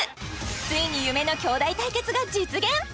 ついに夢の兄弟対決が実現！